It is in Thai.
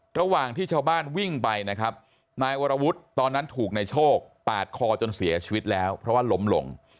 ระหว่างที่ชาวบ้านวิ่งไปนะครับนายวรวุฒิตอนนั้นถูกนายโชคปาดคอจนเสียชีวิตแล้วเพราะว่าล้มลง